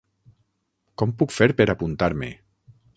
Com puc fer per apuntar-me.